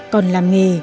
còn làm nghề